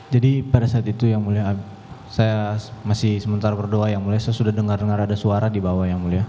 jadi pada saat itu yang mulia saya masih sementara berdoa yang mulia saya sudah dengar dengar ada suara di bawah yang mulia